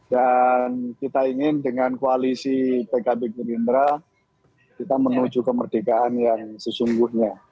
dan kita ingin dengan koalisi pkb gerindra kita menuju kemerdekaan yang sesungguhnya